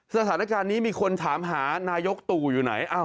สถานการณ์นี้มีคนถามหานายกตู่อยู่ไหน